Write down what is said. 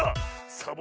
サボ